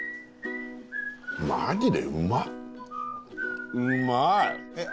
マジでうまっ。